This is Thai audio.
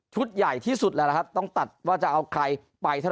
ใหญ่ที่สุดแล้วล่ะครับต้องตัดว่าจะเอาใครไปเท่า